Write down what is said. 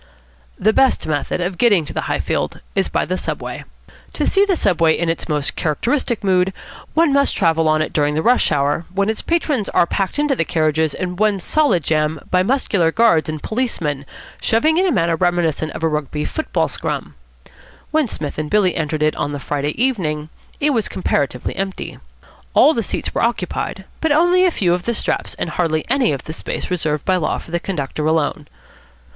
The best method of getting to the Highfield is by the Subway. To see the Subway in its most characteristic mood one must travel on it during the rush hour, when its patrons are packed into the carriages in one solid jam by muscular guards and policemen, shoving in a manner reminiscent of a Rugby football scrum. When Psmith and Billy entered it on the Friday evening, it was comparatively empty. All the seats were occupied, but only a few of the straps and hardly any of the space reserved by law for the conductor alone.